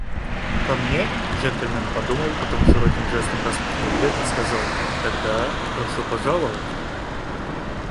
– Ко мне? – Джентльмен подумал, потом широким жестом распахнул дверь и сказал: – Тогда… прошу пожаловать!..